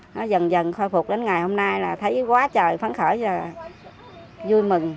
nó dần dần khôi phục đến ngày hôm nay là thấy quá trời phấn khởi và vui mừng